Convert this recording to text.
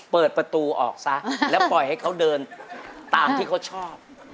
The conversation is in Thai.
เปิดประตูออกซะแล้วปล่อยให้เขาเดินตามที่เขาชอบ